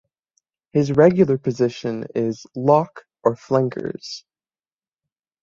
His regular position is lock or flankers.